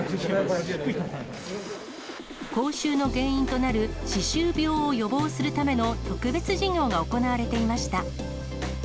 口臭の原因となる歯周病を予防するための特別授業が行われていました。